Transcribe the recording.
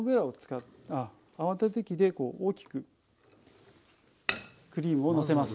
泡立て器でこう大きくクリームをのせます。